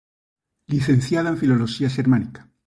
Licenciada en Filoloxía Xermánica.